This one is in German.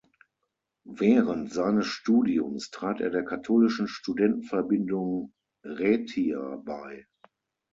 Während seines Studiums trat er der katholischen Studentenverbindung Rhaetia bei.